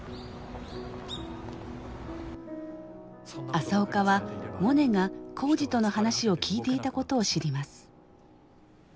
朝岡はモネが耕治との話を聞いていたことを知ります。